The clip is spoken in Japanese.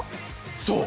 そう！